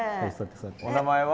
お名前は？